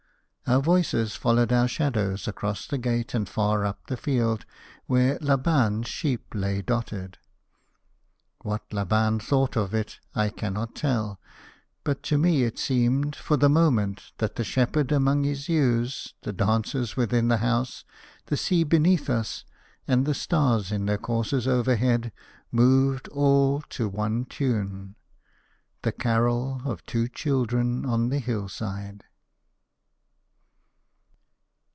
Our voices followed our shadows across the gate and far up the field, where Laban's sheep lay dotted. What Laban thought of it I cannot tell: but to me it seemed, for the moment, that the shepherd among his ewes, the dancers within the house, the sea beneath us, and the stars in their courses overhead moved all to one tune, the carol of two children on the hill side.